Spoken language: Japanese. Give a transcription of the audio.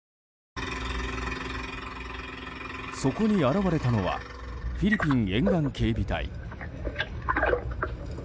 そこに現れたのはフィリピン沿岸警備隊。